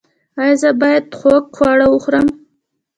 ایا زه باید خوږ خواړه وخورم؟